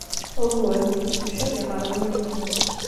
Ugur-nnek yettemcabi ɣer win-inu.